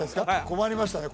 困りましたね